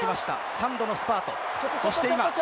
３度のスパート。